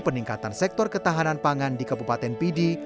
peningkatan sektor ketahanan pangan di kabupaten pidi